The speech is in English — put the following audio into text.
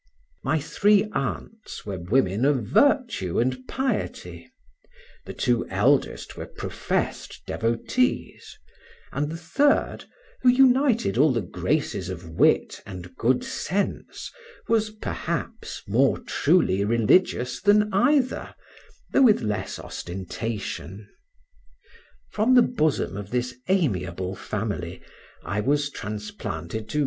My three aunts were women of virtue and piety; the two eldest were professed devotees, and the third, who united all the graces of wit and good sense, was, perhaps, more truly religious than either, though with less ostentation. From the bosom of this amiable family I was transplanted to M.